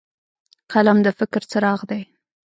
قلم د فکر څراغ دی